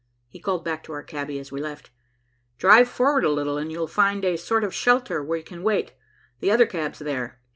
He called back to our cabby as we left, "Drive forward a little, and you'll find a sort of shelter where you can wait. The other cab's there."